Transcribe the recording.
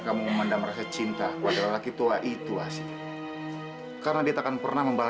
tidak ada gunanya kamu berdua